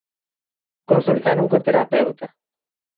Consultaron co terapeuta.